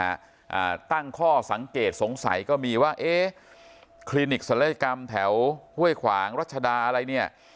อ่าตั้งข้อสังเกตสงสัยก็มีว่าเอ๊ะคลินิกศัลยกรรมแถวห้วยขวางรัชดาอะไรเนี่ย